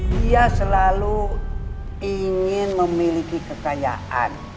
dia selalu ingin memiliki kekayaan